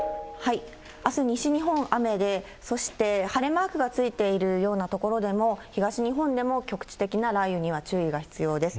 あす西日本、雨で、そして晴れマークがついているような所でも、東日本でも局地的な雷雨には注意が必要です。